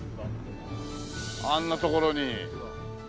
あんな所に。